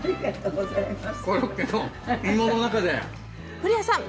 古谷さん